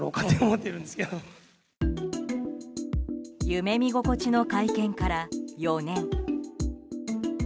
夢見心地の会見から４年。